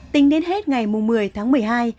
tính đến hết ngày một mươi một mươi hai